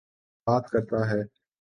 بات کرتا ہے۔